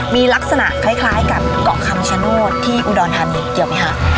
มีลักษณะคล้ายกับเกาะคำชโนธที่อุดรธานีเกี่ยวไหมคะ